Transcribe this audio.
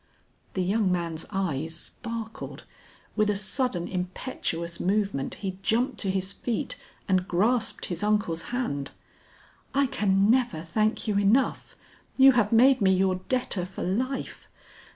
The young man's eyes sparkled; with a sudden impetuous movement he jumped to his feet and grasped his uncle's hand. "I can never thank you enough; you have made me your debtor for life.